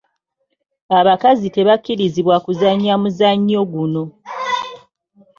Abakazi tebakkirizibwa kuzannya omuzannyo guno.